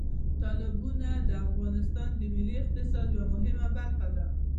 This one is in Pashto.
تالابونه د افغانستان د ملي اقتصاد یوه مهمه برخه ده.